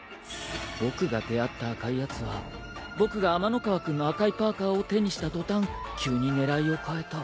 僕が出合った赤いやつは僕が天ノ河君の赤いパーカーを手にした途端急に狙いを変えた。